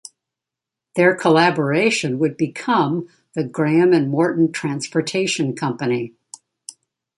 Their collaboration would become the Graham and Morton Transportation Company.